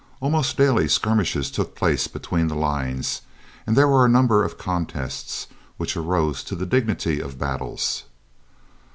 Almost daily skirmishes took place between the lines, and there were a number of contests which arose to the dignity of battles.